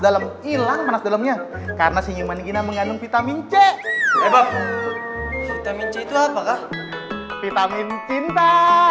dalam hilang panas dalamnya karena senyuman gina mengandung vitamin c vitamin cinta